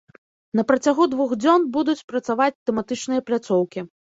На працягу двух дзён будуць працаваць тэматычныя пляцоўкі.